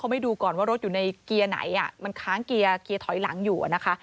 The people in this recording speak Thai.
ไม่ดูก่อนว่ารถอยู่ในเกียร์ไหนมันค้างเกียร์เกียร์ถอยหลังอยู่นะคะ